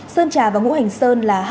sơn trà và ngũ hành sơn là hai cộng đồng